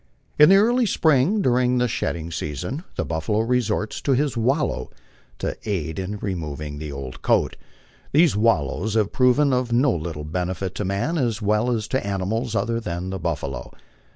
In the early spring, during the shedding sea son, the buffalo resorts to his " wallow " to aid in removing the old coat. These wallows " have proven of no little benefit to man, as well as to animals other than the buffalo.